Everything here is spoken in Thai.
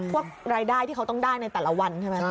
พวกรายได้ที่เขาต้องได้ในแต่ละวันใช่ไหม